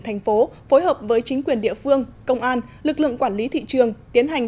thành phố phối hợp với chính quyền địa phương công an lực lượng quản lý thị trường tiến hành